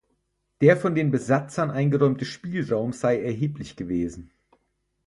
Der von den Besatzern eingeräumte Spielraum sei erheblich gewesen.